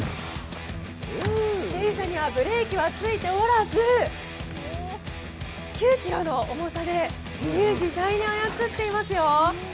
自転車にはブレーキは付いておらず、９ｋｇの重さで、自由自在に操っていますよ。